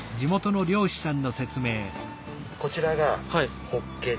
こちらがホッケで。